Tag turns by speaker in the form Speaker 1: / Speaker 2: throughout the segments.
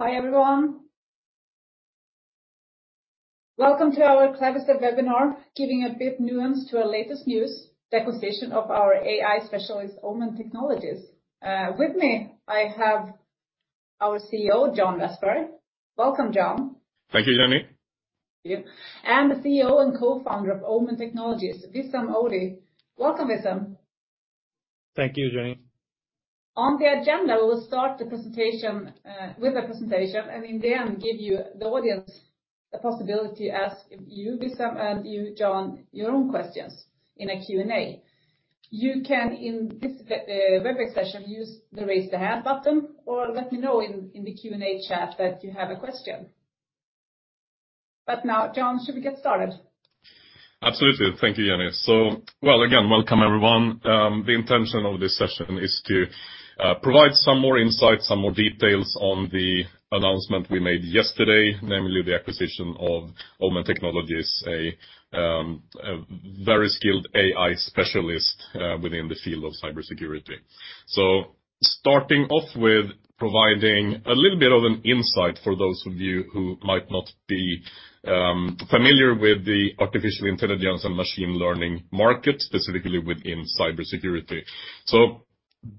Speaker 1: Hi everyone. Welcome to our Clavister webinar, giving a bit nuance to our latest news, the acquisition of our AI specialist, Omen Technologies. With me, I have our CEO, John Vestberg. Welcome, John.
Speaker 2: Thank you, Jenny.
Speaker 1: Yep. The CEO and Co-Founder of Omen Technologies, Wissam Aoudi. Welcome, Wissam.
Speaker 3: Thank you, Jenny.
Speaker 1: On the agenda, we'll start the presentation with the presentation, and in the end, give you the audience the possibility to ask you Wissam and you, John, your own questions in a Q&A. You can in this Webex session use the raise the hand button or let me know in the Q&A chat that you have a question. Now, John, should we get started?
Speaker 2: Absolutely. Thank you, Jenny. Well, again, welcome everyone. The intention of this session is to provide some more insight, some more details on the announcement we made yesterday, namely the acquisition of Omen Technologies, a very skilled AI specialist within the field of cybersecurity. Starting off with providing a little bit of an insight for those of you who might not be familiar with the artificial intelligence and machine learning market, specifically within cybersecurity.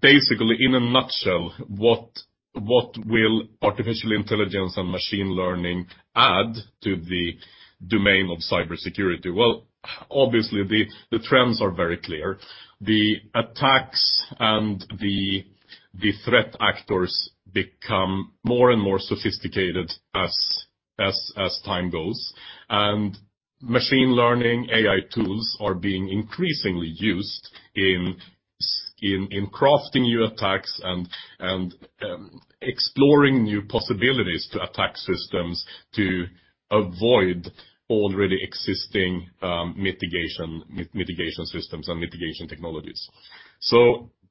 Speaker 2: Basically, in a nutshell, what will artificial intelligence and machine learning add to the domain of cybersecurity? Well, obviously the trends are very clear. The attacks and the threat actors become more and more sophisticated as time goes. Machine learning AI tools are being increasingly used in crafting new attacks and exploring new possibilities to attack systems to avoid already existing mitigation systems and mitigation technologies.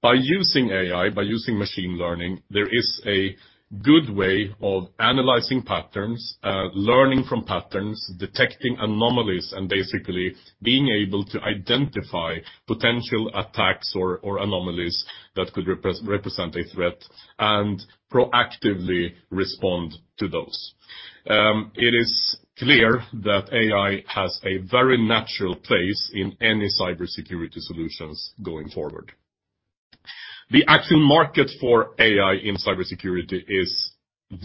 Speaker 2: By using AI, by using machine learning, there is a good way of analyzing patterns, learning from patterns, detecting anomalies, and basically being able to identify potential attacks or anomalies that could represent a threat and proactively respond to those. It is clear that AI has a very natural place in any cybersecurity solutions going forward. The actual market for AI in cybersecurity is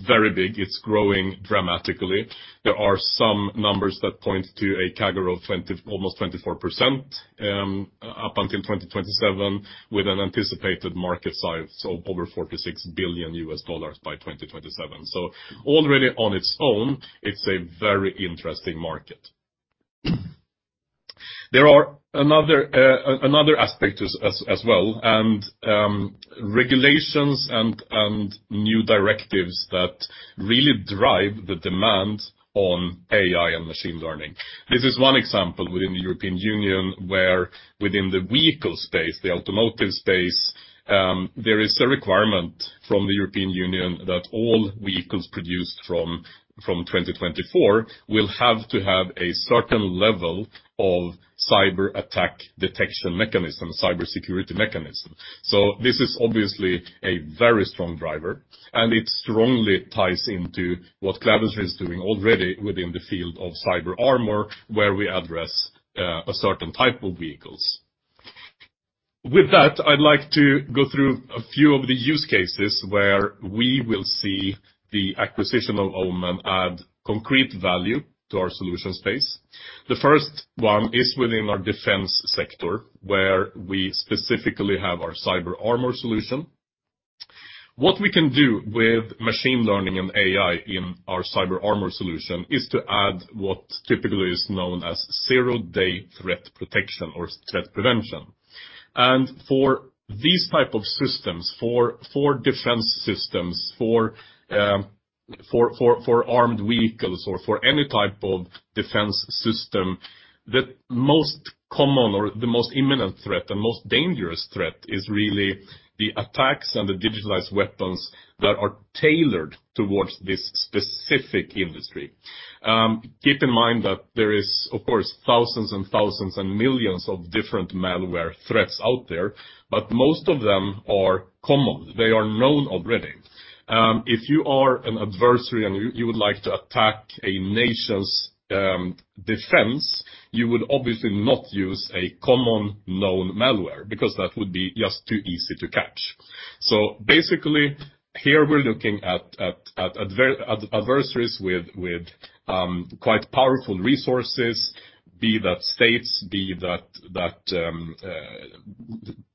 Speaker 2: very big. It's growing dramatically. There are some numbers that point to a CAGR of 20, almost 24%, up until 2027, with an anticipated market size of over $46 billion by 2027. Already on its own, it's a very interesting market. There are another aspect as well, and regulations and new directives that really drive the demand on AI and machine learning. This is one example within the European Union, where within the vehicle space, the automotive space, there is a requirement from the European Union that all vehicles produced from 2024 will have to have a certain level of cyber attack detection mechanism, cybersecurity mechanism. This is obviously a very strong driver, and it strongly ties into what Clavister is doing already within the field of CyberArmour, where we address a certain type of vehicles. With that, I'd like to go through a few of the use cases where we will see the acquisition of Omen add concrete value to our solution space. The first one is within our defense sector, where we specifically have our CyberArmour solution. What we can do with machine learning and AI in our CyberArmour solution is to add what typically is known as zero-day threat protection or threat prevention. For these type of systems, for defense systems, for armed vehicles or for any type of defense system, the most common or the most imminent threat, the most dangerous threat is really the attacks and the digitalized weapons that are tailored towards this specific industry. Keep in mind that there is of course thousands and thousands and millions of different malware threats out there, but most of them are common. They are known already. If you are an adversary and you would like to attack a nation's defense, you would obviously not use a common known malware because that would be just too easy to catch. Basically here we're looking at adversaries with quite powerful resources, be that states, be that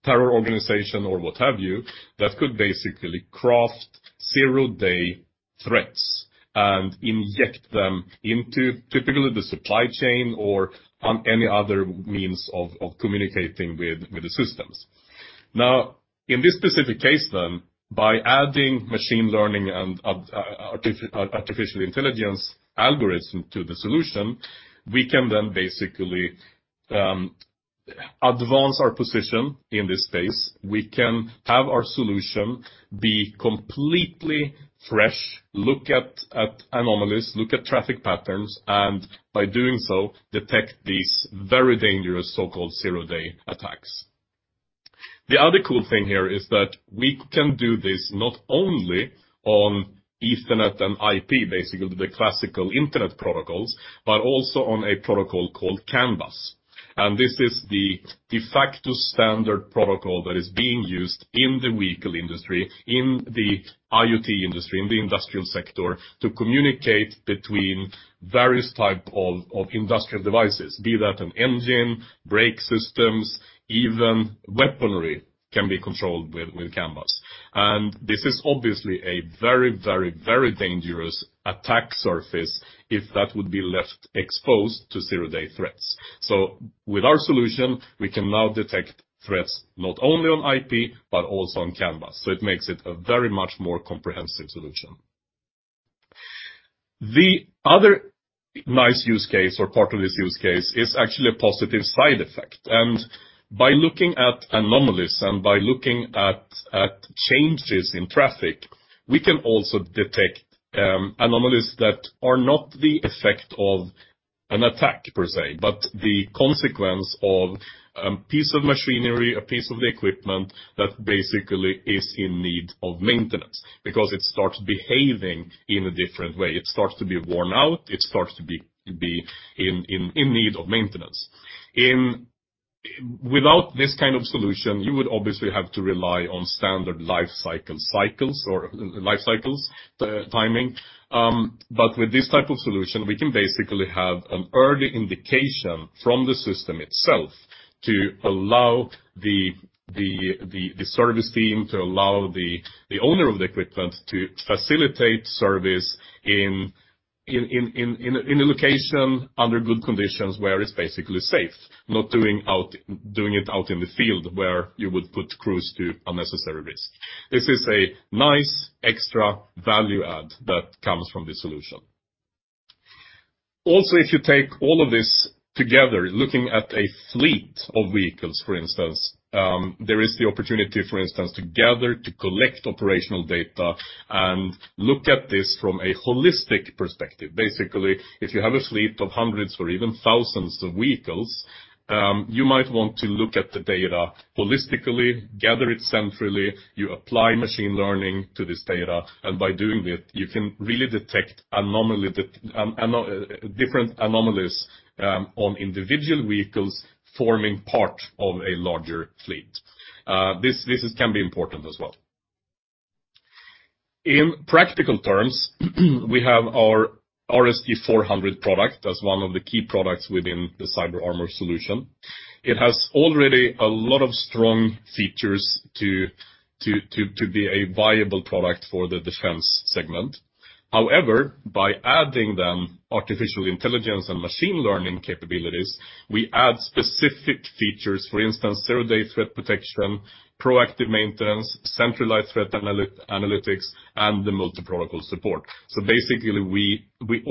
Speaker 2: terror organization or what have you, that could basically craft zero-day threats and inject them into typically the supply chain or any other means of communicating with the systems. In this specific case, by adding machine learning and artificial intelligence algorithm to the solution, we can basically advance our position in this space. We can have our solution be completely fresh, look at anomalies, look at traffic patterns, and by doing so, detect these very dangerous so-called zero-day attacks. The other cool thing here is that we can do this not only on Ethernet and IP, basically the classical internet protocols, but also on a protocol called CAN bus. This is the de facto standard protocol that is being used in the vehicle industry, in the IoT industry, in the industrial sector, to communicate between various type of industrial devices. Be that an engine, brake systems, even weaponry can be controlled with CAN bus. This is obviously a very dangerous attack surface if that would be left exposed to zero-day threats. With our solution, we can now detect threats not only on IP, but also on CAN bus. It makes it a very much more comprehensive solution. The other nice use case or part of this use case is actually a positive side effect. By looking at anomalies and by looking at changes in traffic, we can also detect anomalies that are not the effect of an attack per se, but the consequence of a piece of machinery, a piece of equipment that basically is in need of maintenance because it starts behaving in a different way. It starts to be worn out. It starts to be in need of maintenance. Without this kind of solution, you would obviously have to rely on standard life cycles, the timing. With this type of solution, we can basically have an early indication from the system itself to allow the service team to allow the owner of the equipment to facilitate service in a location under good conditions where it's basically safe, not doing it out in the field where you would put crews to unnecessary risk. This is a nice extra value add that comes from this solution. Also, if you take all of this together, looking at a fleet of vehicles, for instance, there is the opportunity, for instance, to gather to collect operational data and look at this from a holistic perspective. Basically, if you have a fleet of hundreds or even thousands of vehicles, you might want to look at the data holistically, gather it centrally. You apply machine learning to this data, and by doing it, you can really detect different anomalies on individual vehicles forming part of a larger fleet. This can be important as well. In practical terms, we have our RSG-400 product as one of the key products within the CyberArmour solution. It has already a lot of strong features to be a viable product for the defense segment. However, by adding them artificial intelligence and machine learning capabilities, we add specific features. For instance, zero-day threat protection, proactive maintenance, centralized threat analytics, and the multi-protocol support. Basically we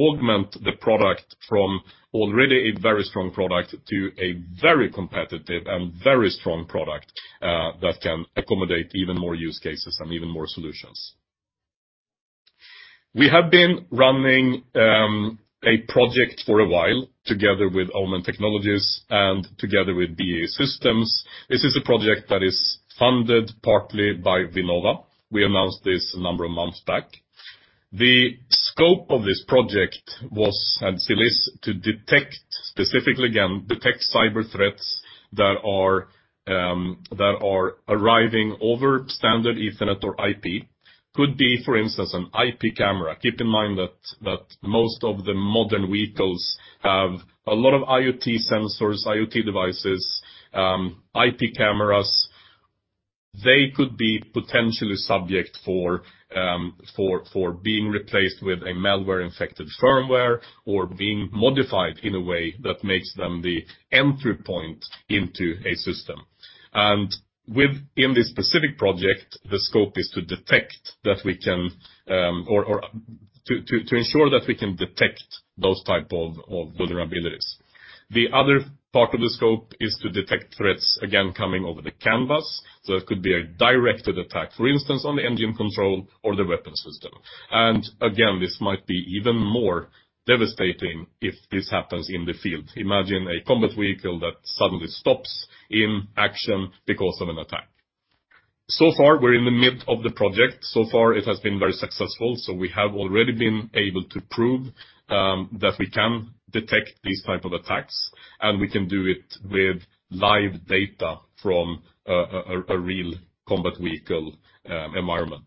Speaker 2: augment the product from already a very strong product to a very competitive and very strong product that can accommodate even more use cases and even more solutions. We have been running a project for a while together with Omen Technologies and together with BAE Systems. This is a project that is funded partly by Vinnova. We announced this a number of months back. The scope of this project was and still is to detect, specifically again, detect cyber threats that are arriving over standard Ethernet or IP. Could be, for instance, an IP camera. Keep in mind that most of the modern vehicles have a lot of IoT sensors, IoT devices, IP cameras. They could be potentially subject to being replaced with a malware-infected firmware or being modified in a way that makes them the entry point into a system. In this specific project, the scope is to detect that we can, or to ensure that we can detect those type of vulnerabilities. The other part of the scope is to detect threats, again coming over the CAN bus. It could be a directed attack, for instance, on the engine control or the weapon system. This might be even more devastating if this happens in the field. Imagine a combat vehicle that suddenly stops in action because of an attack. We're in the mid of the project. It has been very successful. We have already been able to prove that we can detect these type of attacks, and we can do it with live data from a real combat vehicle environment.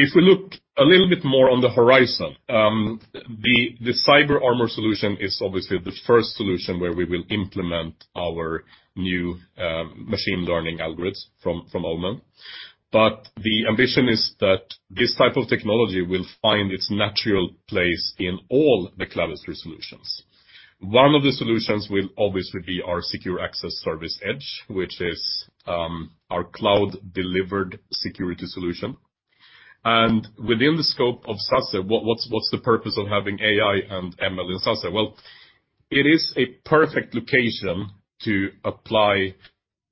Speaker 2: If we look a little bit more on the horizon, the CyberArmour solution is obviously the first solution where we will implement our new machine learning algorithms from Omen. The ambition is that this type of technology will find its natural place in all the Clavister solutions. One of the solutions will obviously be our Secure Access Service Edge, which is our cloud delivered security solution. Within the scope of SASE, what's the purpose of having AI and ML in SASE? Well, it is a perfect location to apply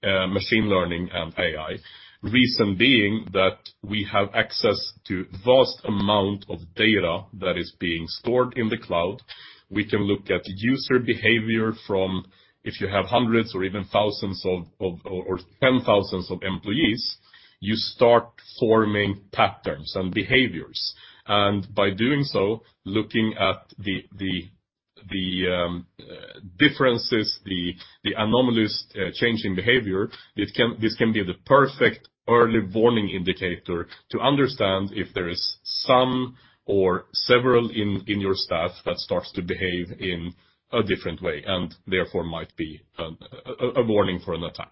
Speaker 2: machine learning and AI. Reason being that we have access to vast amount of data that is being stored in the cloud. We can look at user behavior from if you have hundreds or even thousands of or tens of thousands of employees, you start forming patterns and behaviors. By doing so, looking at the differences, the anomalous change in behavior, this can be the perfect early warning indicator to understand if there is some or several in your staff that starts to behave in a different way and therefore might be a warning for an attack.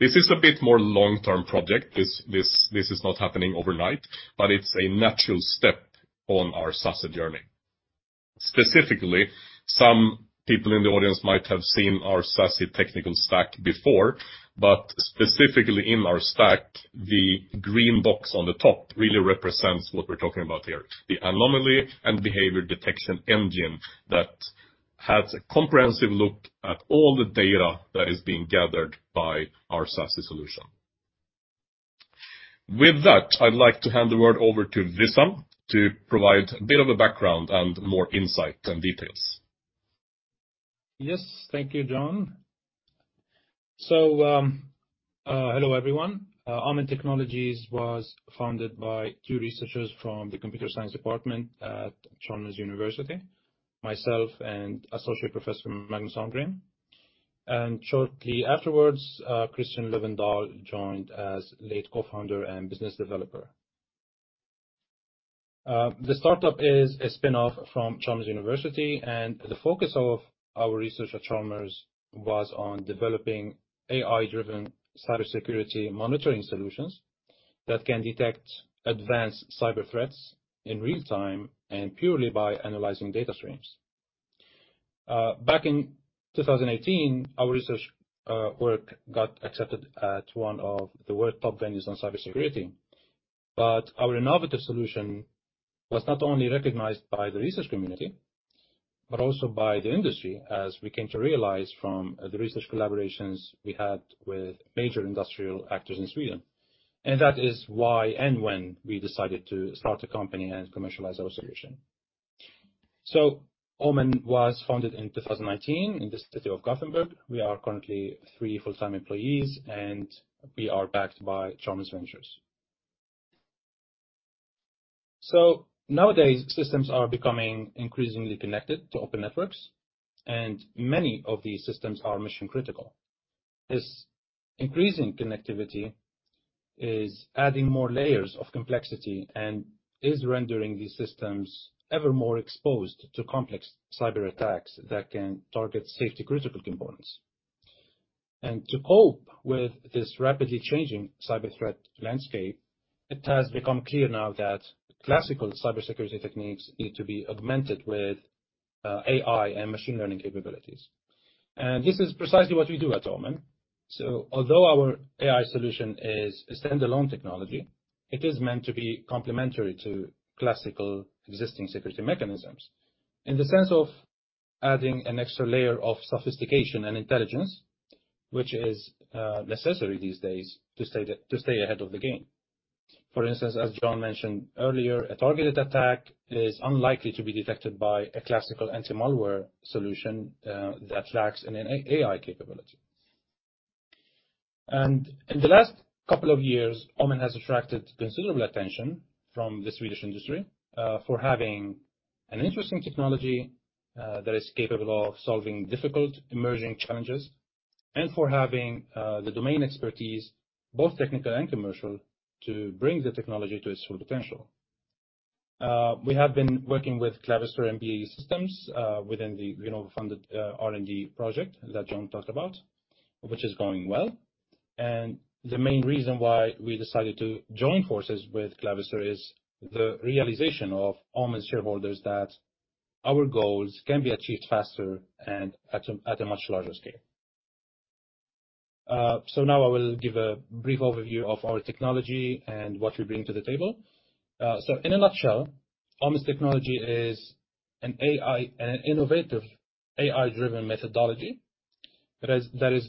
Speaker 2: This is a bit more long-term project. This is not happening overnight, but it's a natural step on our SASE journey. Specifically, some people in the audience might have seen our SASE technical stack before, but specifically in our stack, the green box on the top really represents what we're talking about here. The anomaly and behavior detection engine that has a comprehensive look at all the data that is being gathered by our SASE solution. With that, I'd like to hand the word over to Wissam to provide a bit of a background and more insight and details.
Speaker 3: Yes. Thank you, John. Hello, everyone. Omen Technologies was founded by two researchers from the computer science department at Chalmers University, myself and Associate Professor Magnus Sandgren. Shortly afterwards, Christian Löfvendahl joined as lead co-founder and business developer. The startup is a spin-off from Chalmers University, and the focus of our research at Chalmers was on developing AI-driven cybersecurity monitoring solutions that can detect advanced cyber threats in real-time and purely by analyzing data streams. Back in 2018, our research work got accepted at one of the world top venues on cybersecurity. Our innovative solution was not only recognized by the research community, but also by the industry, as we came to realize from the research collaborations we had with major industrial actors in Sweden. That is why and when we decided to start a company and commercialize our solution. Omen was founded in 2019 in the city of Gothenburg. We are currently three full-time employees, and we are backed by Chalmers Ventures. Nowadays, systems are becoming increasingly connected to open networks, and many of these systems are mission-critical. This increasing connectivity is adding more layers of complexity and is rendering these systems ever more exposed to complex cyberattacks that can target safety-critical components. To cope with this rapidly changing cyber threat landscape, it has become clear now that classical cybersecurity techniques need to be augmented with AI and machine learning capabilities. This is precisely what we do at Omen. Although our AI solution is a standalone technology, it is meant to be complementary to classical existing security mechanisms in the sense of adding an extra layer of sophistication and intelligence, which is necessary these days to stay ahead of the game. For instance, as John mentioned earlier, a targeted attack is unlikely to be detected by a classical anti-malware solution that lacks an AI capability. In the last couple of years, Omen has attracted considerable attention from the Swedish industry for having an interesting technology that is capable of solving difficult emerging challenges and for having the domain expertise, both technical and commercial, to bring the technology to its full potential. We have been working with Clavister and BAE Systems within the Vinnova-funded R&D project that John talked about, which is going well. The main reason why we decided to join forces with Clavister is the realization of Omen shareholders that our goals can be achieved faster and at a much larger scale. Now I will give a brief overview of our technology and what we bring to the table. In a nutshell, Omen's technology is an innovative AI-driven methodology that is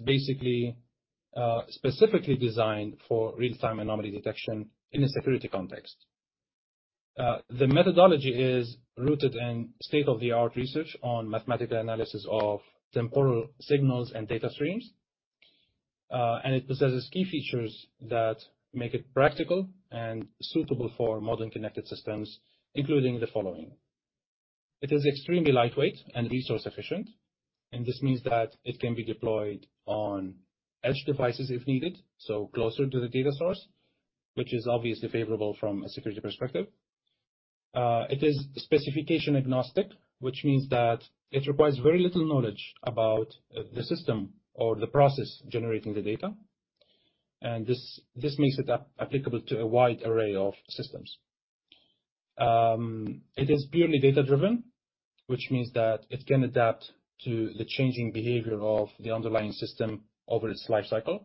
Speaker 3: basically specifically designed for real-time anomaly detection in a security context. The methodology is rooted in state-of-the-art research on mathematical analysis of temporal signals and data streams, and it possesses key features that make it practical and suitable for modern connected systems, including the following. It is extremely lightweight and resource efficient, and this means that it can be deployed on edge devices if needed, so closer to the data source, which is obviously favorable from a security perspective. It is specification agnostic, which means that it requires very little knowledge about the system or the process generating the data. This makes it applicable to a wide array of systems. It is purely data-driven, which means that it can adapt to the changing behavior of the underlying system over its lifecycle.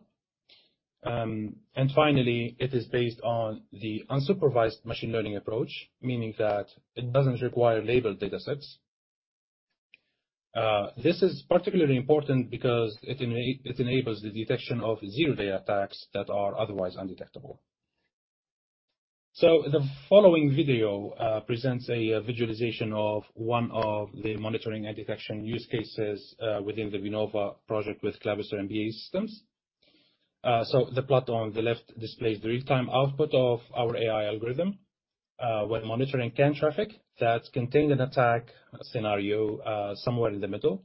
Speaker 3: Finally, it is based on the unsupervised machine learning approach, meaning that it doesn't require labeled datasets. This is particularly important because it enables the detection of zero-day attacks that are otherwise undetectable. The following video presents a visualization of one of the monitoring and detection use cases within the Vinnova project with Clavister and BAE Systems. The plot on the left displays the real-time output of our AI algorithm when monitoring CAN traffic that contained an attack scenario somewhere in the middle.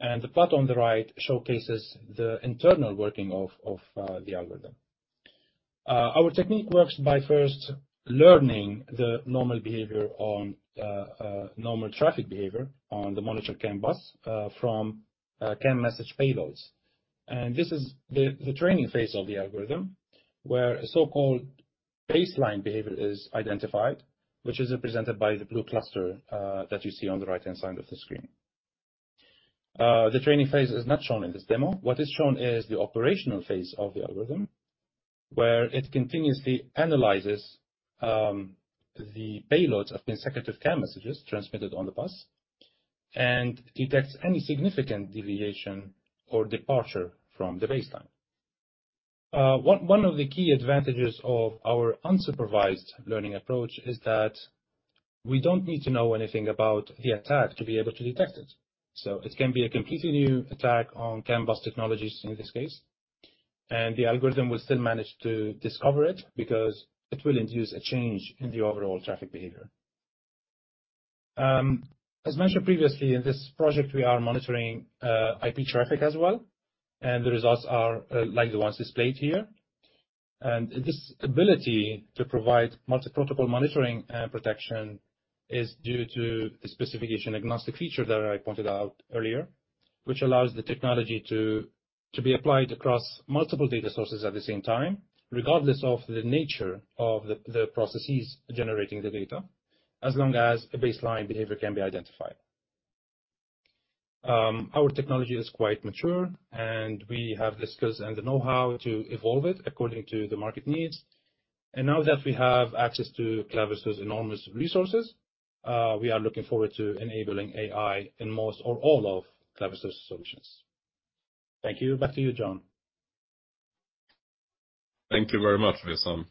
Speaker 3: The plot on the right showcases the internal working of the algorithm. Our technique works by first learning the normal traffic behavior on the monitored CAN bus from CAN message payloads. This is the training phase of the algorithm, where a so-called baseline behavior is identified, which is represented by the blue cluster that you see on the right-hand side of the screen. The training phase is not shown in this demo. What is shown is the operational phase of the algorithm, where it continuously analyzes the payloads of consecutive CAN messages transmitted on the bus and detects any significant deviation or departure from the baseline. One of the key advantages of our unsupervised learning approach is that we don't need to know anything about the attack to be able to detect it. It can be a completely new attack on CAN bus technologies in this case, and the algorithm will still manage to discover it because it will induce a change in the overall traffic behavior. As mentioned previously, in this project, we are monitoring IP traffic as well, and the results are like the ones displayed here. This ability to provide multi-protocol monitoring and protection is due to the specification-agnostic feature that I pointed out earlier, which allows the technology to be applied across multiple data sources at the same time, regardless of the nature of the processes generating the data, as long as a baseline behavior can be identified. Our technology is quite mature, and we have the skills and the know-how to evolve it according to the market needs. Now that we have access to Clavister's enormous resources, we are looking forward to enabling AI in most or all of Clavister's solutions. Thank you. Back to you, John.
Speaker 2: Thank you very much, Wissam.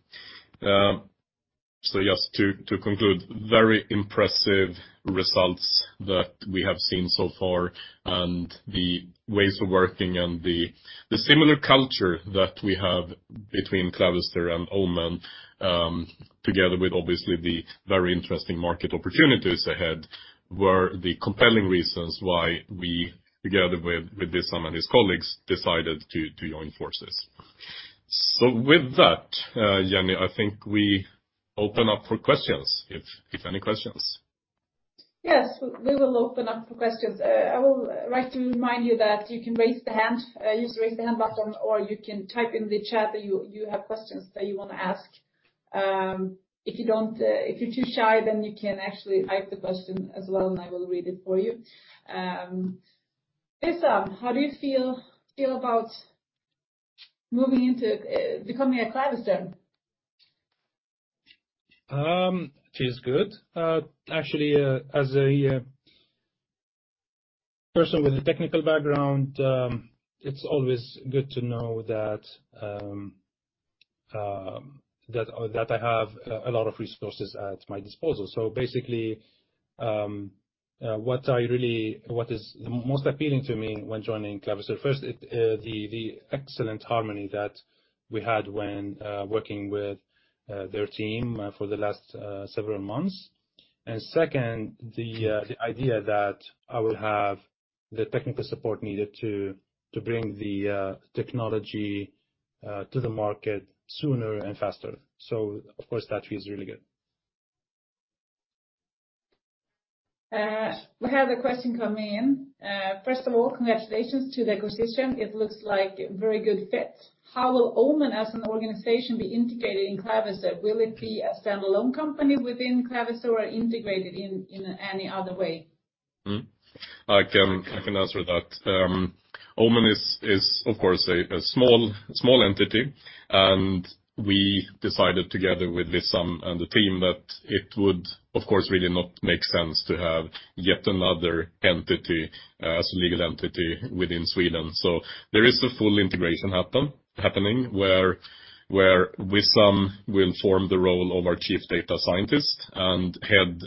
Speaker 2: Just to conclude, very impressive results that we have seen so far and the ways of working and the similar culture that we have between Clavister and Omen, together with obviously the very interesting market opportunities ahead, were the compelling reasons why we, together with Wissam and his colleagues, decided to join forces. With that, Jenny, I think we open up for questions, if any questions.
Speaker 1: Yes. We will open up for questions. I will like to remind you that you can raise the hand, use raise the hand button, or you can type in the chat that you have questions that you wanna ask. If you're too shy, you can actually type the question as well, and I will read it for you. Wissam, how do you feel about moving into becoming a Clavister?
Speaker 3: Feels good. Actually, as a person with a technical background, it's always good to know that I have a lot of resources at my disposal. Basically, what is most appealing to me when joining Clavister, first, the excellent harmony that we had when working with their team for the last several months. Second, the idea that I will have the technical support needed to bring the technology to the market sooner and faster. Of course, that feels really good.
Speaker 1: We have a question coming in. First of all, congratulations to the acquisition. It looks like a very good fit. How will Omen as an organization be integrated in Clavister? Will it be a standalone company within Clavister or integrated in any other way?
Speaker 2: I can answer that. Omen is of course a small entity, and we decided together with Wissam and the team that it would of course really not make sense to have yet another entity as a legal entity within Sweden. There is a full integration happening where Wissam will form the role of our Chief Data Scientist and head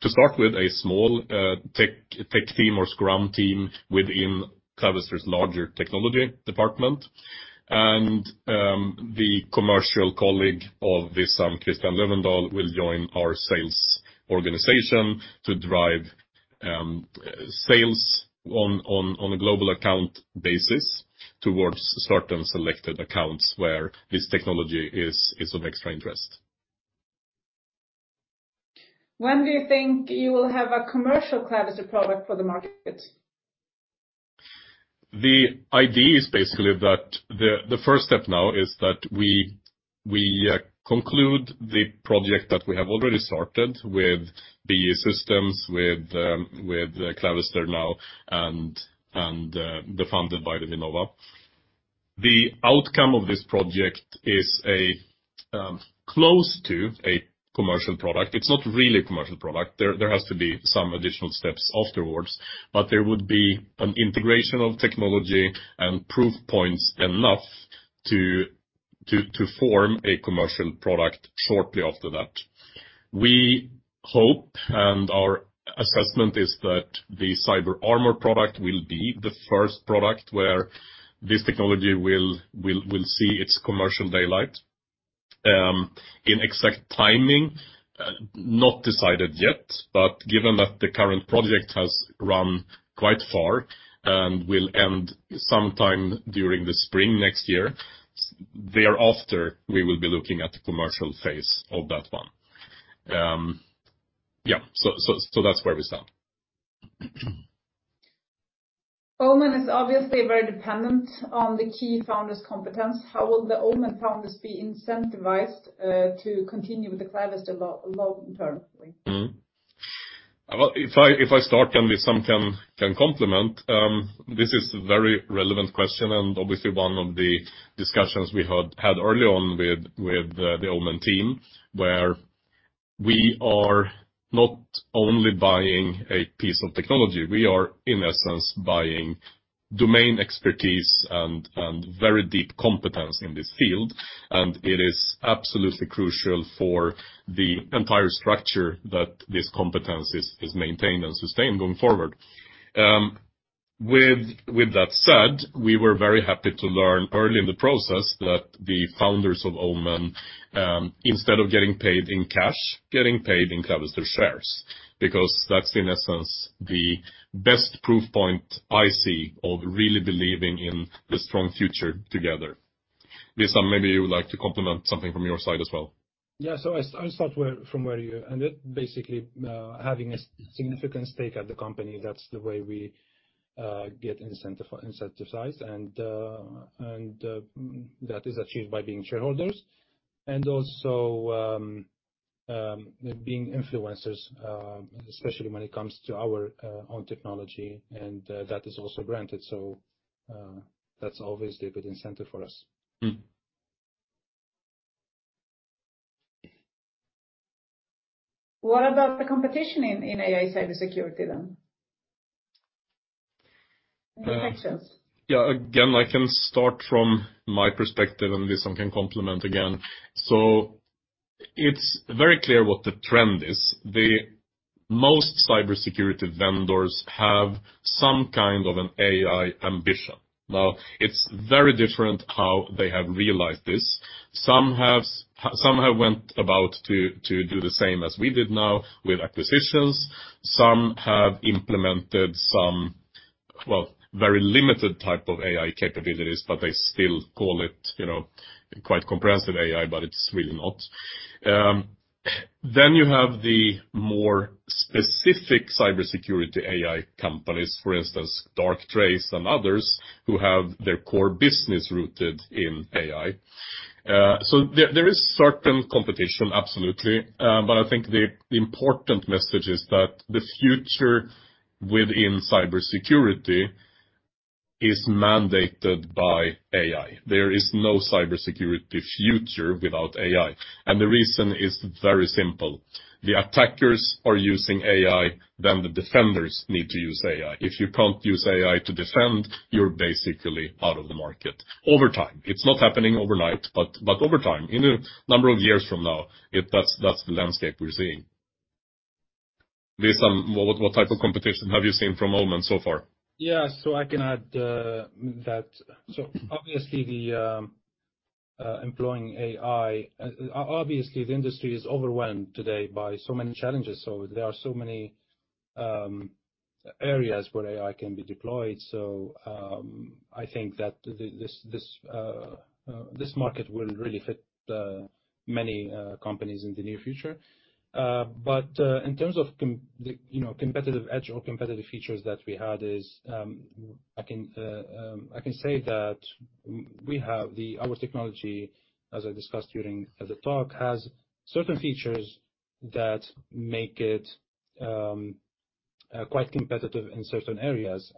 Speaker 2: to start with a small tech team or scrum team within Clavister's larger technology department. The commercial colleague of Wissam, Christian Löfvendahl, will join our sales organization to drive sales on a global account basis towards certain selected accounts where this technology is of extra interest.
Speaker 1: When do you think you will have a commercial Clavister product for the market?
Speaker 2: The idea is basically that the first step now is that we conclude the project that we have already started with BAE Systems, with Clavister now and that's funded by Vinnova. The outcome of this project is close to a commercial product. It's not really a commercial product. There has to be some additional steps afterwards, but there would be an integration of technology and proof points enough to form a commercial product shortly after that. We hope, and our assessment is that the CyberArmour product will be the first product where this technology will see its commercial daylight. In exact timing, not decided yet, but given that the current project has run quite far and will end sometime during the spring next year, thereafter, we will be looking at the commercial phase of that one. So that's where we stand.
Speaker 1: Omen is obviously very dependent on the key founder's competence. How will the Omen founders be incentivized to continue with the Clavister long term?
Speaker 2: Well, if I start and Wissam can complement, this is a very relevant question, and obviously one of the discussions we had early on with the Omen team, where we are not only buying a piece of technology, we are, in essence, buying domain expertise and very deep competence in this field. It is absolutely crucial for the entire structure that this competence is maintained and sustained going forward. With that said, we were very happy to learn early in the process that the founders of Omen, instead of getting paid in cash, getting paid in Clavister shares, because that's, in essence, the best proof point I see of really believing in the strong future together. Wissam, maybe you would like to complement something from your side as well.
Speaker 3: Yeah, I'll start from where you ended. Basically, having a significant stake at the company, that's the way we get incentivized, and that is achieved by being shareholders. Also, being influencers, especially when it comes to our own technology, and that is also granted. That's always a good incentive for us.
Speaker 2: Mm-hmm.
Speaker 1: What about the competition in AI cybersecurity, then? Any protections?
Speaker 2: Yeah. Again, I can start from my perspective, and Wissam can complement again. It's very clear what the trend is. Most cybersecurity vendors have some kind of an AI ambition. Now, it's very different how they have realized this. Some have went about to do the same as we did now with acquisitions. Some have implemented some, well, very limited type of AI capabilities, but they still call it, you know, quite comprehensive AI, but it's really not. Then you have the more specific cybersecurity AI companies. For instance, Darktrace and others who have their core business rooted in AI. There is certain competition, absolutely. But I think the important message is that the future within cybersecurity is mandated by AI. There is no cybersecurity future without AI, and the reason is very simple. The attackers are using AI, then the defenders need to use AI. If you can't use AI to defend, you're basically out of the market. Over time, it's not happening overnight, but over time, in a number of years from now, that's the landscape we're seeing. Wissam, what type of competition have you seen from Omen so far?
Speaker 3: Yeah, I can add that. Obviously, employing AI, the industry is overwhelmed today by so many challenges. There are so many areas where AI can be deployed. I think that this market will really fit many companies in the near future. In terms of, you know, competitive edge or competitive features that we had is, I can say that we have our technology, as I discussed during the talk, has certain features that make it quite competitive in certain areas.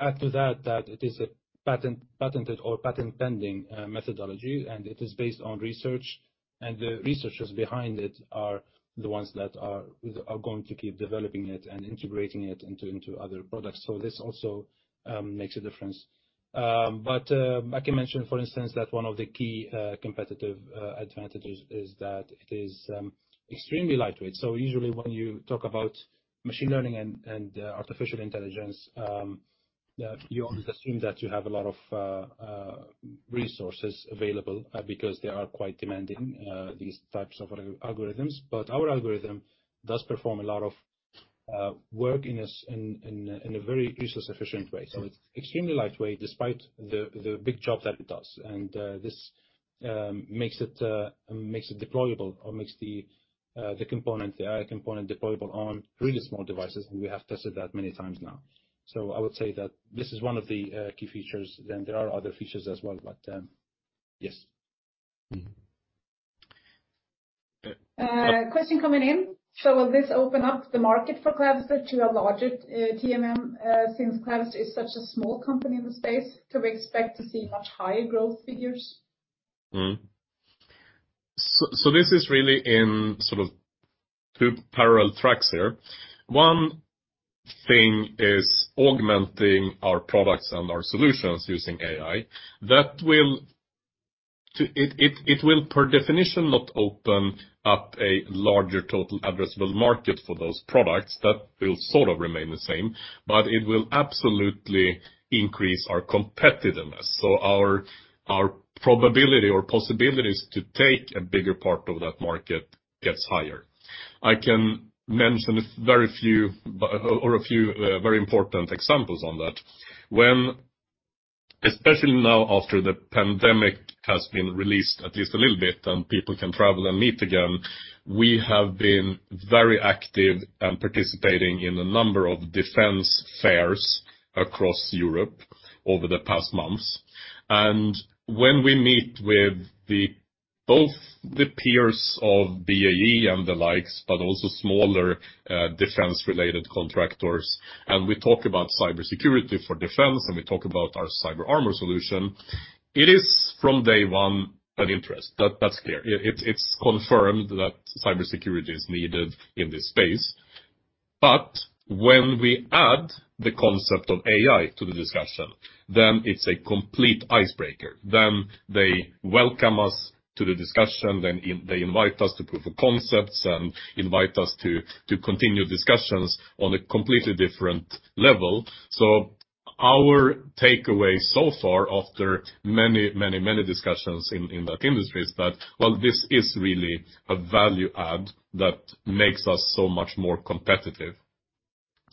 Speaker 3: Add to that it is a patent-pending methodology, and it is based on research, and the researchers behind it are the ones that are going to keep developing it and integrating it into other products. This also makes a difference. I can mention, for instance, that one of the key competitive advantages is that it is extremely lightweight. Usually when you talk about machine learning and artificial intelligence, you always assume that you have a lot of resources available, because they are quite demanding, these types of algorithms. Our algorithm does perform a lot of work in a very resource-efficient way. It's extremely lightweight despite the big job that it does. This makes the AI component deployable on really small devices, and we have tested that many times now. I would say that this is one of the key features. There are other features as well, but yes.
Speaker 1: Question coming in. Will this open up the market for Clavister to a larger TAM, since Clavister is such a small company in the space? Could we expect to see much higher growth figures?
Speaker 2: This is really in sort of two parallel tracks here. One thing is augmenting our products and our solutions using AI. That will, by definition, not open up a larger total addressable market for those products. That will sort of remain the same, but it will absolutely increase our competitiveness. Our probability or possibilities to take a bigger part of that market gets higher. I can mention a few very important examples of that. Especially now after the pandemic has eased at least a little bit and people can travel and meet again, we have been very active and participating in a number of defense fairs across Europe over the past months. When we meet with both the peers of BAE and the likes, but also smaller defense-related contractors, and we talk about cybersecurity for defense and we talk about our CyberArmour solution, it is from day one an interest. That's clear. It's confirmed that cybersecurity is needed in this space. When we add the concept of AI to the discussion, it's a complete icebreaker. They welcome us to the discussion, they invite us to proof of concepts and invite us to continue discussions on a completely different level. Our takeaway so far after many discussions in that industry is that, well, this is really a value add that makes us so much more competitive.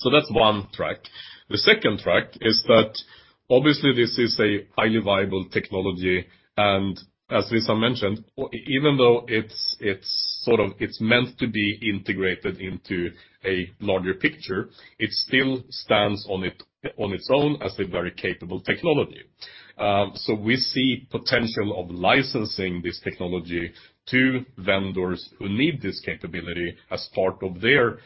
Speaker 2: That's one track. The second track is that obviously this is a highly viable technology, and as Wissam mentioned, even though it's sort of meant to be integrated into a larger picture, it still stands on its own as a very capable technology. We see potential of licensing this technology to vendors who need this capability as part of their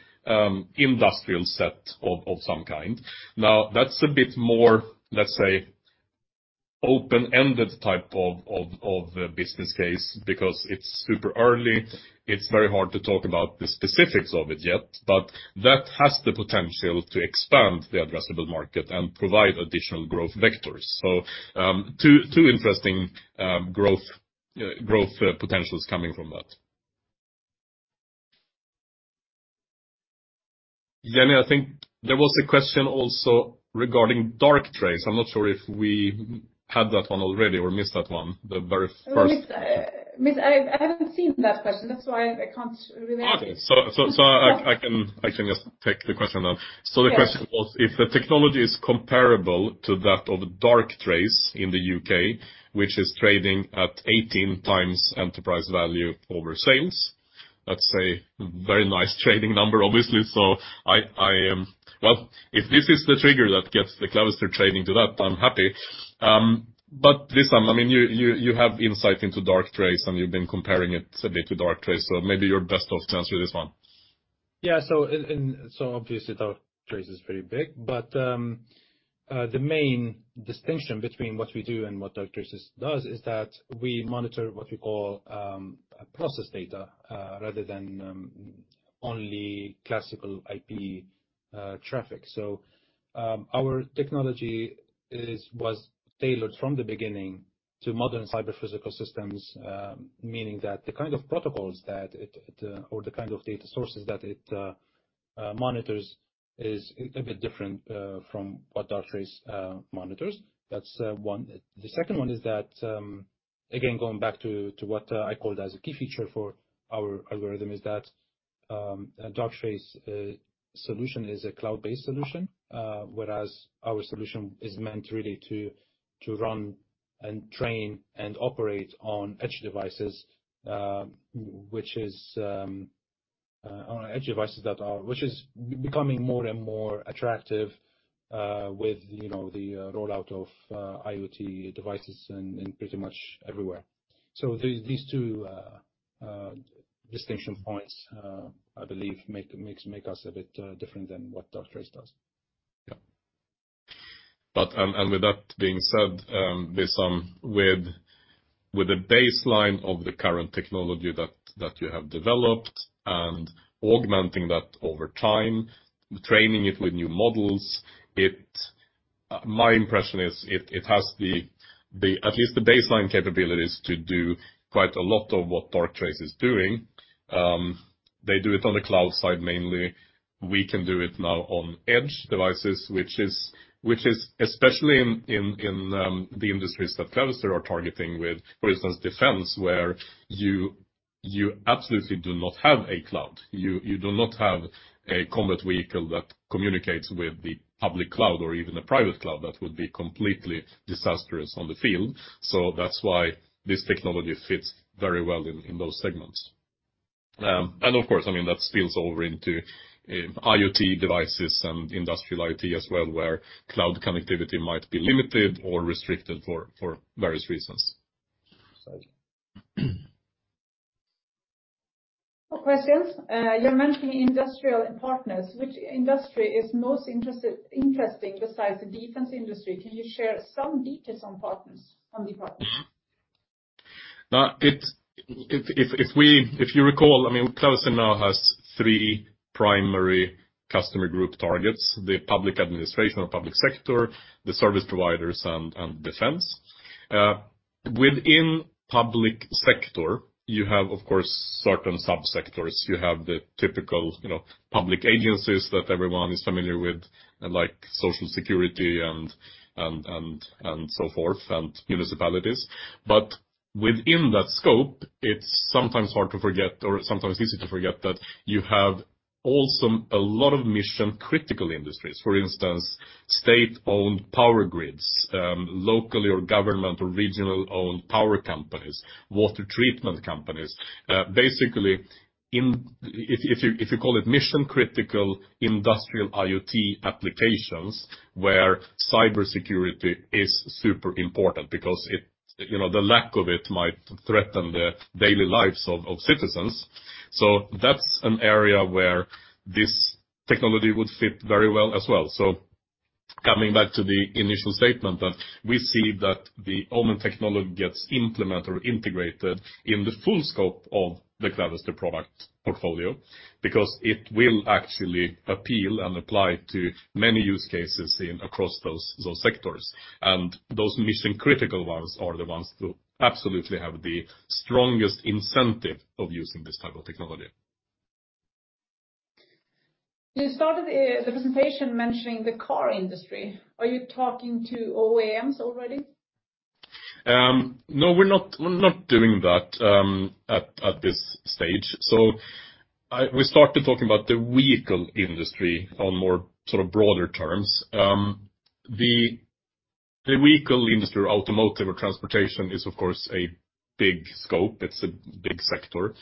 Speaker 2: industrial set of some kind. Now that's a bit more, let's say, open-ended type of a business case because it's super early. It's very hard to talk about the specifics of it yet. That has the potential to expand the addressable market and provide additional growth vectors. Two interesting growth potentials coming from that. Jenny, I think there was a question also regarding Darktrace. I'm not sure if we had that one already or missed that one, the very first.
Speaker 1: Missed. I haven't seen that question. That's why I can't relate it.
Speaker 2: Okay. I can just take the question then.
Speaker 1: Yes.
Speaker 2: The question was if the technology is comparable to that of Darktrace in the U.K., which is trading at 18x enterprise value over sales. That's a very nice trading number, obviously. Well, if this is the trigger that gets the Clavister trading to that, I'm happy. But Wissam, I mean, you have insight into Darktrace, and you've been comparing it a bit to Darktrace, so maybe you're best off to answer this one.
Speaker 3: Obviously, Darktrace is very big. The main distinction between what we do and what Darktrace does is that we monitor what we call process data rather than only classical IP traffic. Our technology was tailored from the beginning to modern cyber-physical systems, meaning that the kind of protocols that it or the kind of data sources that it monitors is a bit different from what Darktrace monitors. That's one. The second one is that, again, going back to what I called as a key feature for our algorithm, is that Darktrace solution is a cloud-based solution, whereas our solution is meant really to run and train and operate on edge devices, which is becoming more and more attractive with you know the rollout of IoT devices in pretty much everywhere. These two distinction points I believe make us a bit different than what Darktrace does.
Speaker 2: Yeah. With that being said, Wissam, with the baseline of the current technology that you have developed and augmenting that over time, training it with new models, it my impression is it has at least the baseline capabilities to do quite a lot of what Darktrace is doing. They do it on the cloud side mainly. We can do it now on edge devices, which is especially in the industries that Clavister are targeting with, for instance, defense, where you absolutely do not have a cloud. You do not have a combat vehicle that communicates with the public cloud or even a private cloud. That would be completely disastrous on the field. That's why this technology fits very well in those segments. Of course, I mean, that spills over into IoT devices and industrial IT as well, where cloud connectivity might be limited or restricted for various reasons.
Speaker 3: Thank you.
Speaker 1: More questions. You're mentioning industrial partners. Which industry is most interesting besides the defense industry? Can you share some details on partners, on these partners?
Speaker 2: Now, if you recall, I mean, Clavister now has three primary customer group targets, the public administration or public sector, the service providers and defense. Within public sector, you have, of course, certain subsectors. You have the typical, you know, public agencies that everyone is familiar with, like Social Security and so forth, and municipalities. Within that scope, it's sometimes hard to forget or sometimes easy to forget that you have also a lot of mission-critical industries. For instance, state-owned power grids, locally or government or regional-owned power companies, water treatment companies. Basically, if you call it mission-critical industrial IoT applications where cybersecurity is super important because you know, the lack of it might threaten the daily lives of citizens. That's an area where this technology would fit very well as well. Coming back to the initial statement that we see that the Omen technology gets implemented or integrated in the full scope of the Clavister product portfolio because it will actually appeal and apply to many use cases across those sectors. Those mission-critical ones are the ones who absolutely have the strongest incentive of using this type of technology.
Speaker 1: You started the presentation mentioning the car industry. Are you talking to OEMs already?
Speaker 2: No, we're not doing that at this stage. We started talking about the vehicle industry on more sort of broader terms. The vehicle industry, automotive or transportation is, of course, a big scope. It's a big sector.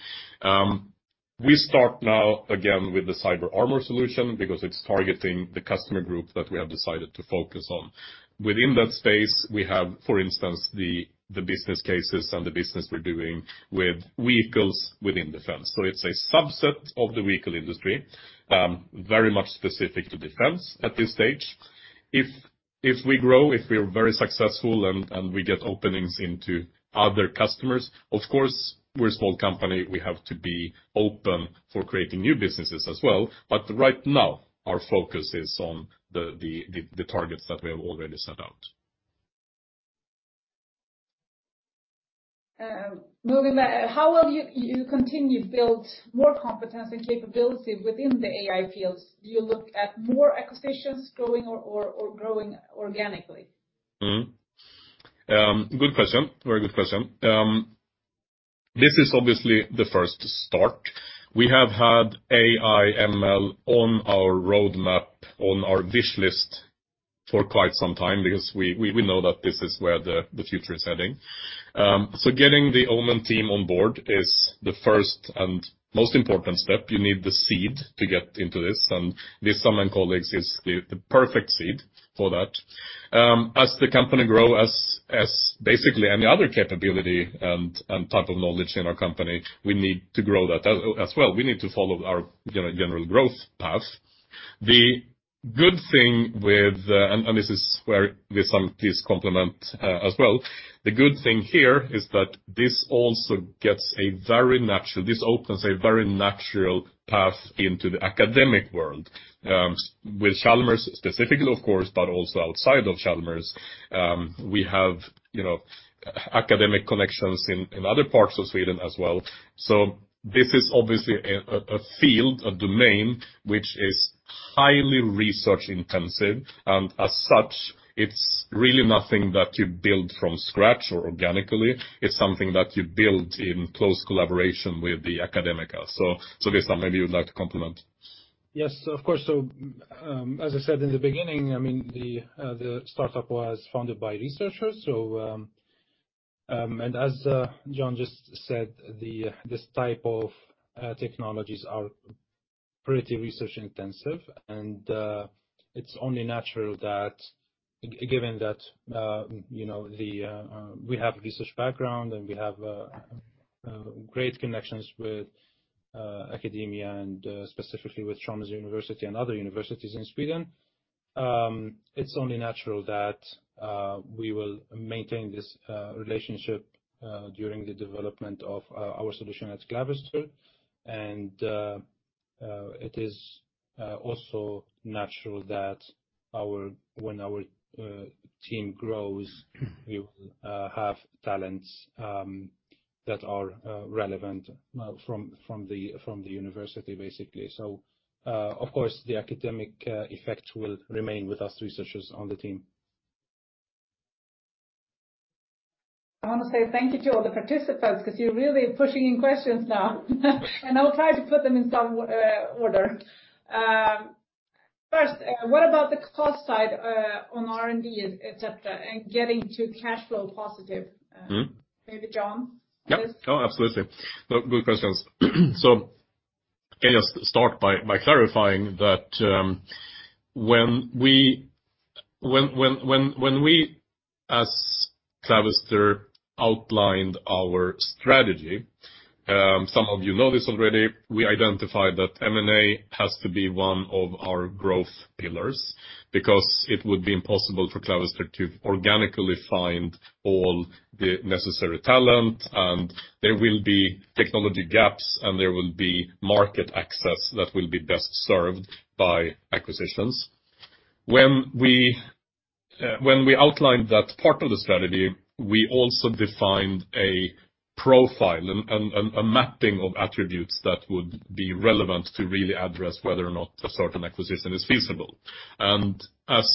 Speaker 2: We start now, again, with the CyberArmour solution because it's targeting the customer group that we have decided to focus on. Within that space, we have, for instance, the business cases and the business we're doing with vehicles within defense. It's a subset of the vehicle industry, very much specific to defense at this stage. If we grow, if we're very successful and we get openings into other customers, of course, we're a small company, we have to be open for creating new businesses as well. Right now, our focus is on the targets that we have already set out.
Speaker 1: Moving back. How will you continue to build more competence and capability within the AI fields? Do you look at more acquisitions, growing or growing organically?
Speaker 2: Good question. Very good question. This is obviously the first start. We have had AI ML on our roadmap, on our wish list for quite some time because we know that this is where the future is heading. Getting the Omen team on board is the first and most important step. You need the seed to get into this, and Wissam and colleagues is the perfect seed for that. As the company grow, as basically any other capability and type of knowledge in our company, we need to grow that as well. We need to follow our, you know, general growth path. The good thing with this is where Wissam, please complement, as well. The good thing here is that this also opens a very natural path into the academic world, with Chalmers specifically, of course, but also outside of Chalmers. We have, you know, academic connections in other parts of Sweden as well. This is obviously a field, a domain which is highly research-intensive. As such, it's really nothing that you build from scratch or organically. It's something that you build in close collaboration with the academia. Wissam, maybe you would like to complement.
Speaker 3: Yes, of course. As I said in the beginning, I mean, the startup was founded by researchers. As John just said, this type of technologies are pretty research-intensive. It's only natural that given that, you know, we have research background, and we have great connections with academia and specifically with Chalmers University and other universities in Sweden, it's only natural that we will maintain this relationship during the development of our solution at Clavister. It is also natural that when our team grows, we will have talents that are relevant from the university, basically. Of course, the academic effect will remain with us researchers on the team.
Speaker 1: I wanna say thank you to all the participants because you're really pushing in questions now, and I'll try to put them in some order. First, what about the cost side on R&D, etc., and getting to cash flow positive?
Speaker 2: Mm-hmm.
Speaker 1: Maybe John?
Speaker 2: Yep. Oh, absolutely. No, good questions. Can I just start by clarifying that, when we as Clavister outlined our strategy, some of you know this already, we identified that M&A has to be one of our growth pillars because it would be impossible for Clavister to organically find all the necessary talent, and there will be technology gaps, and there will be market access that will be best served by acquisitions. When we outlined that part of the strategy, we also defined a profile and a mapping of attributes that would be relevant to really address whether or not a certain acquisition is feasible. As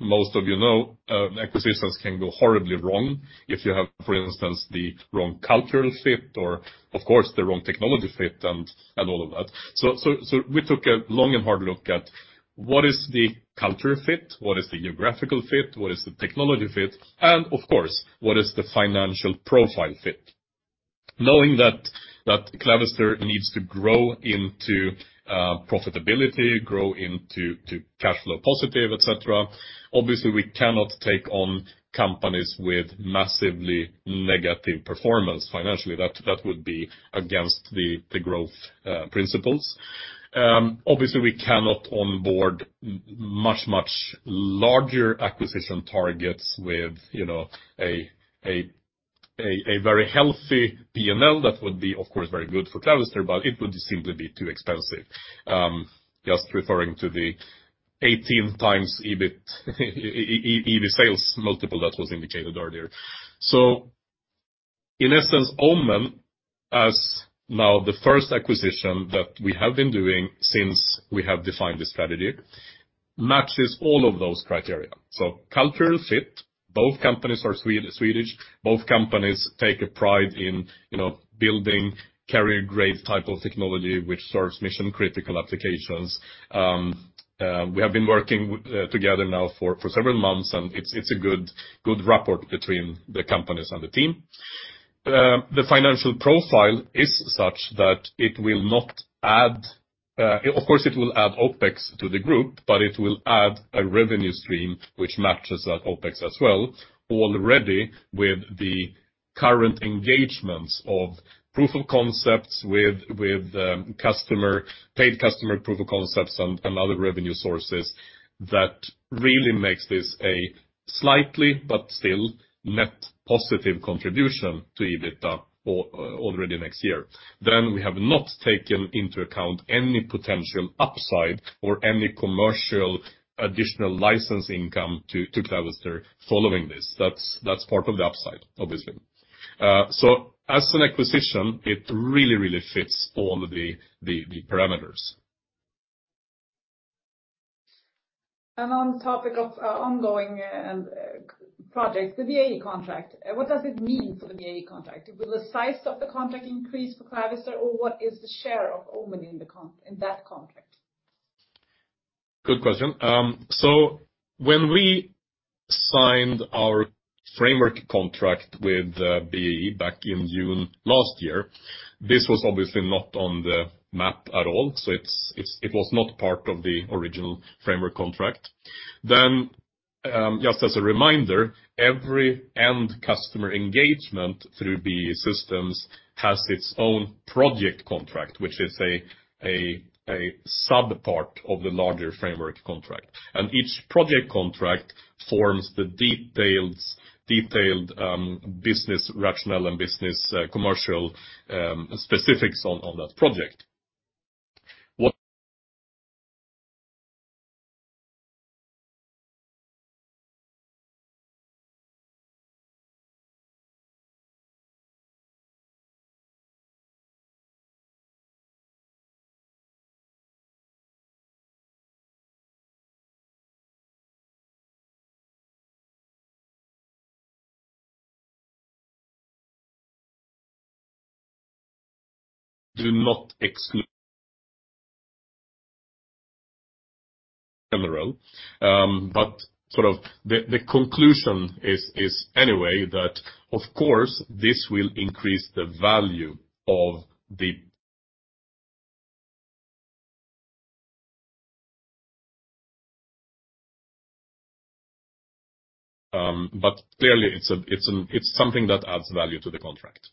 Speaker 2: most of you know, acquisitions can go horribly wrong if you have, for instance, the wrong cultural fit or of course, the wrong technology fit and all of that. We took a long and hard look at what is the culture fit, what is the geographical fit, what is the technology fit, and of course, what is the financial profile fit? Knowing that Clavister needs to grow into profitability, grow into cash flow positive, et cetera, obviously, we cannot take on companies with massively negative performance financially. That would be against the growth principles. Obviously, we cannot onboard much larger acquisition targets with, you know, a very healthy P&L. That would be, of course, very good for Clavister, but it would simply be too expensive. Just referring to the 18x EBIT sales multiple that was indicated earlier. In essence, Omen, as now the first acquisition that we have been doing since we have defined the strategy, matches all of those criteria. Cultural fit, both companies are Swedish. Both companies take a pride in, you know, building carrier-grade type of technology which serves mission-critical applications. We have been working together now for several months, and it's a good rapport between the companies and the team. The financial profile is such that it will not add. Of course, it will add OpEx to the group, but it will add a revenue stream which matches that OpEx as well. Already with the current engagements of proof of concepts with paid customer proof of concepts and other revenue sources, that really makes this a slightly but still net positive contribution to EBITDA already next year. We have not taken into account any potential upside or any commercial additional license income to Clavister following this. That's part of the upside, obviously. As an acquisition, it really fits all of the parameters.
Speaker 1: On the topic of ongoing projects, the BAE contract, what does it mean for the BAE contract? Will the size of the contract increase for Clavister, or what is the share of Omen in that contract?
Speaker 2: Good question. When we signed our framework contract with BAE Systems back in June last year, this was obviously not on the map at all. It was not part of the original framework contract. Just as a reminder, every end customer engagement through BAE Systems has its own project contract, which is a sub-part of the larger framework contract. Each project contract forms the detailed business rationale and commercial specifics on that project. Sort of the conclusion is anyway that of course, this will increase the value of the contract. Clearly, it's something that adds value to the contract.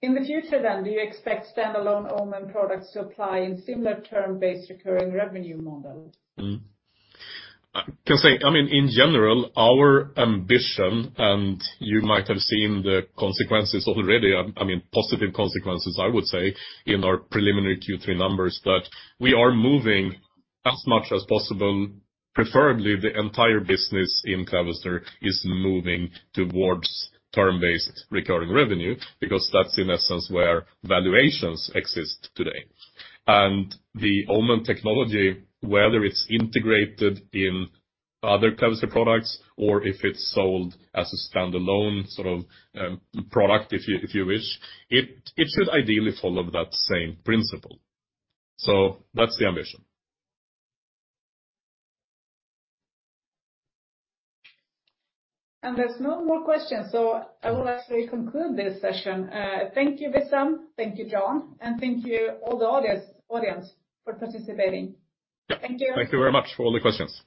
Speaker 1: In the future, do you expect standalone Omen products to apply in similar term-based recurring revenue model?
Speaker 2: I can say, I mean, in general, our ambition, and you might have seen the consequences already, I mean, positive consequences, I would say, in our preliminary Q3 numbers, that we are moving as much as possible. Preferably, the entire business in Clavister is moving towards term-based recurring revenue because that's, in essence, where valuations exist today. The Omen technology, whether it's integrated in other Clavister products or if it's sold as a standalone sort of product, if you wish, it should ideally follow that same principle. That's the ambition.
Speaker 1: There's no more questions. I will actually conclude this session. Thank you, Wissam. Thank you, John. Thank you all the audience for participating.
Speaker 2: Yeah.
Speaker 1: Thank you.
Speaker 2: Thank you very much for all the questions.